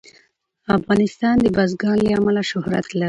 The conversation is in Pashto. افغانستان د بزګان له امله شهرت لري.